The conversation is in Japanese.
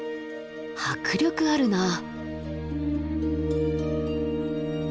迫力あるなあ。